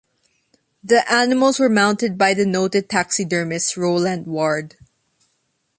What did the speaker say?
The animals were mounted by the noted taxidermist Rowland Ward.